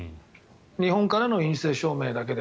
日本からの陰性証明だけで。